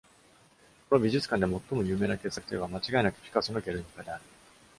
この美術館で最も有名な傑作といえば、間違いなくピカソのゲルニカである。